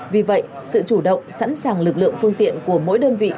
vì vậy sự chủ động sẵn sàng lực lượng phương tiện của mỗi đơn vị